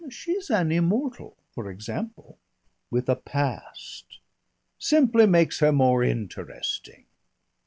"She's an immortal, for example, with a past." "Simply makes her more interesting."